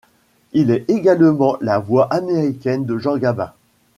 Il est également la voix américaine de Jean Gabin.